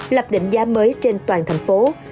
lập định giá mới trên toàn thành phố